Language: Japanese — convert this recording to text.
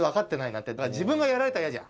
自分がやられたら嫌じゃん。